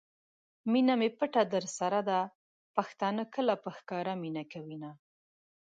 مینه می پټه درسره ده ؛ پښتانه کله په ښکاره مینه کوینه